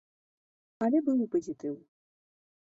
Але быў і пазітыў.